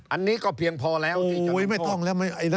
อันนี้ก็เพียงพอแล้วที่ยุ้ยไม่ต้องแล้ว